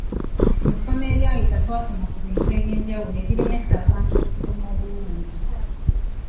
Mu ssomo eryita twasoma ku bintu eby’enjawulo ebiremesa abantu okusoma obulungi.